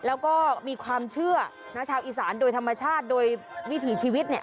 แล้วก็มีความเชื่อนะชาวอีสานโดยธรรมชาติโดยวิถีชีวิตเนี่ย